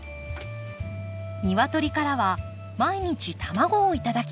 ニワトリからは毎日卵を頂きます。